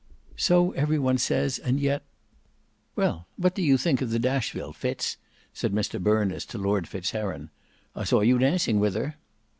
"So every one says, and yet—" "Well what do you think of the Dashville, Fitz?" said Mr Berners to Lord Fitzheron, "I saw you dancing with her."